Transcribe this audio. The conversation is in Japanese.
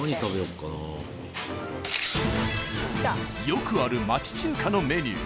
［よくある町中華のメニュー］